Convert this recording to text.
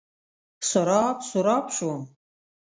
سراب، سراب شوم